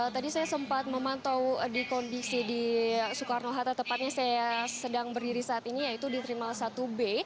tadi saya sempat memantau di kondisi di soekarno hatta tepatnya saya sedang berdiri saat ini yaitu di terminal satu b